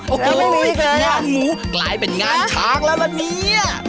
โอ้โหงานหมูกลายเป็นงานช้างแล้วล่ะเนี่ย